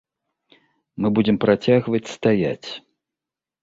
Мы будзем працягваць стаяць.